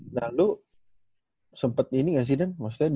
nah lu sempet ini gak sih dan